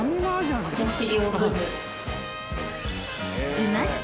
［いました。